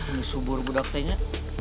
ini subur budak tehnya